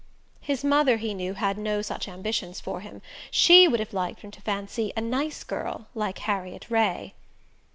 His mother, he knew, had no such ambitions for him: she would have liked him to fancy a "nice girl" like Harriet Ray.